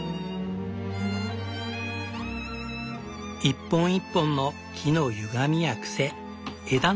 一本一本の木のゆがみや癖枝の跡。